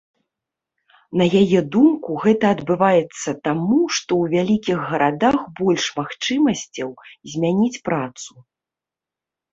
На яе думку, гэта адбываецца таму, што ў вялікіх гарадах больш магчымасцяў змяніць працу.